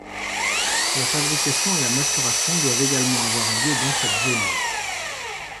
La fabrication et la maturation doivent également avoir lieu dans cette zone.